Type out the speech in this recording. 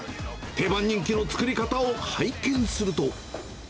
定番人気の作り方を拝見すると。